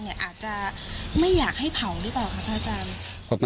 ในอีกมุมหนึ่งในความเชื่อนะคะ